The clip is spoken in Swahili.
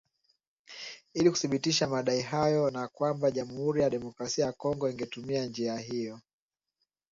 ili kuthibitisha madai hayo na kwamba Jamuhuri ya Demokrasia ya Kongo ingetumia njia hiyo